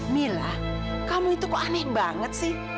mila kamu itu kok aneh banget sih